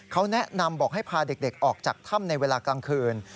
เขาแนะนำบอกให้พาเด็กออกจากถ้ำในเวลากลางคืน